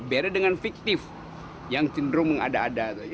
beda dengan fiktif yang cenderung mengada ada